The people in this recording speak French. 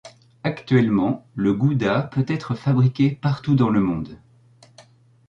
Actuellement le gouda peut être fabriqué partout dans le monde.